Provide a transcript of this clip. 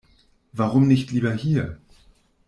Warum nicht lieber hier?